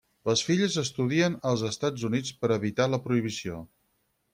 Les filles estudien als Estats Units per evitar la prohibició.